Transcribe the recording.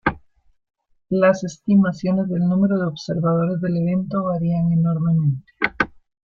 Las estimaciones del número de observadores del evento varian enormemente.